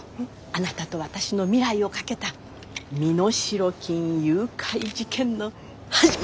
あなたと私の未来を懸けた身代金誘拐事件の始まりよ！